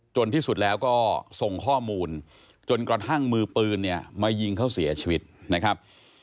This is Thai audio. ที่สุดแล้วก็ส่งข้อมูลจนกระทั่งมือปืนเนี่ยมายิงเขาเสียชีวิตนะครับ